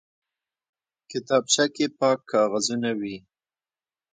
کتابچه کې پاک کاغذونه وي